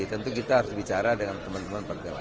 tentu kita harus bicara dengan teman teman partai lain